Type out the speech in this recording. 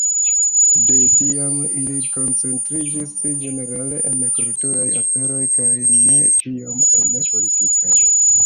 De tiam ili koncentriĝis ĝenerale en kulturaj aferoj kaj ne tiom en politikaj.